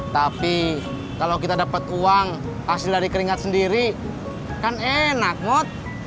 tapi kalau kita dapat uang hasil dari keringat sendiri kan enak mot